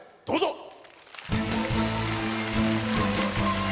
どうぞ。